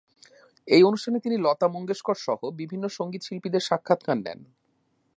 এই অনুষ্ঠানে তিনি লতা মঙ্গেশকর সহ বিভিন্ন সঙ্গীত শিল্পীদের সাক্ষাৎকার নেন।